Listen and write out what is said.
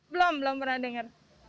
belum belum pernah dengar